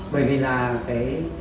bởi vì là cái